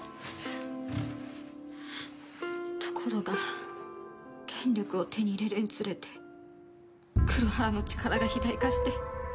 ところが権力を手に入れるにつれて黒原の力が肥大化して。